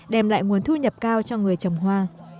đem lại nguồn thu nhập cao cho người trồng hoa